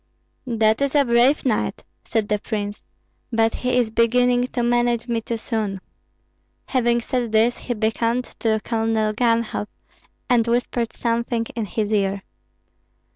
"That is a brave knight," said the prince, "but he is beginning to manage me too soon." Having said this, he beckoned to Colonel Ganhoff and whispered something in his ear.